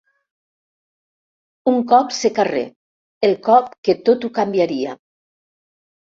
Un cop secarrer El cop que tot ho canviaria.